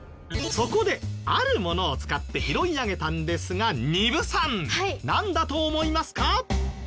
そこであるものを使って拾い上げたんですが丹生さんなんだと思いますか？